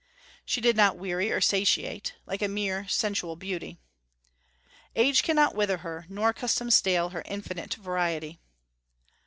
She did not weary or satiate, like a mere sensual beauty. "Age cannot wither her, nor custom stale Her infinite variety."